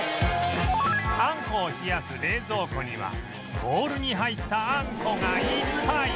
あんこを冷やす冷蔵庫にはボウルに入ったあんこがいっぱい！